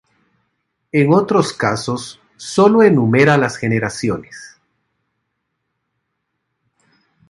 En otros casos, sólo enumera las generaciones.